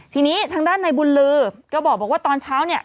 ทีนี้ทางด้านในบุญลือก็บอกว่าตอนเช้าเนี่ย